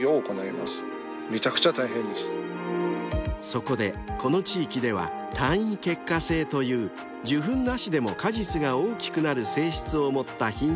［そこでこの地域では単為結果性という受粉なしでも果実が大きくなる性質を持った品種を導入］